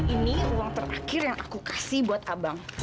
ini uang terakhir yang aku kasih buat abang